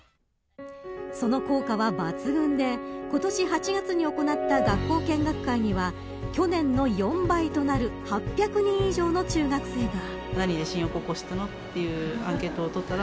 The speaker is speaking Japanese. その効果は抜群で、今年８月に行った学校見学会には去年の４倍となる８００人以上の中学生が。